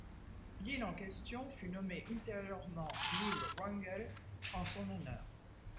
L'île en question fut nommée ultérieurement l'île Wrangel en son honneur.